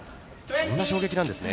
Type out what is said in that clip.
そんな衝撃なんですね。